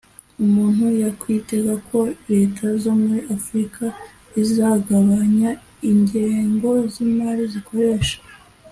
umuntu yakwitega ko leta zo muri Afurika zizagabanya ingengo z’imari zikoresha